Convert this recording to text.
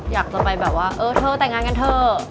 อยากจะไปแบบว่าเออเธอแต่งงานกันเถอะ